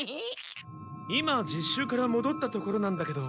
今実習からもどったところなんだけど。